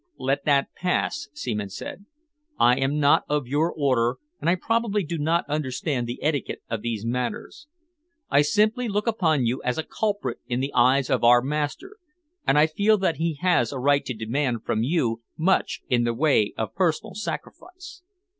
"Let that pass," Seaman said. "I am not of your order and I probably do not understand the etiquette of these matters. I simply look upon you as a culprit in the eyes of our master, and I feel that he has a right to demand from you much in the way of personal sacrifice."